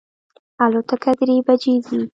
الوتکه درې بجی ځي